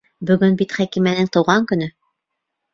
Бөгөн бит Хәкимәнең тыуған көнө!